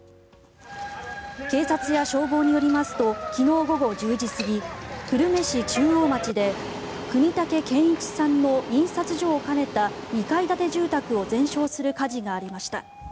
警察や消防によりますと昨日午後１０時過ぎ久留米市中央町で國武健一さんの印刷所を兼ねた２階建て住宅を全焼する火事がありました。